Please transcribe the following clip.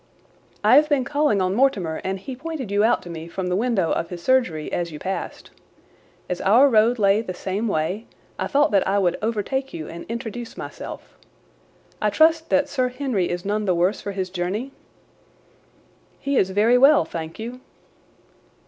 "I have been calling on Mortimer, and he pointed you out to me from the window of his surgery as you passed. As our road lay the same way I thought that I would overtake you and introduce myself. I trust that Sir Henry is none the worse for his journey?" "He is very well, thank you."